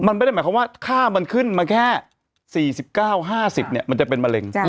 มันไม่ได้หมายความว่าค่ามันขึ้นมาแค่๔๙๕๐มันจะเป็นมะเร็ง